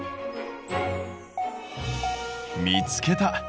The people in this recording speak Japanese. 見つけた。